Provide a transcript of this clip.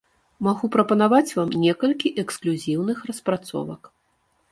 Магу прапанаваць вам некалькі эксклюзіўных распрацовак.